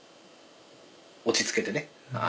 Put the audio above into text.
落ち着けてね。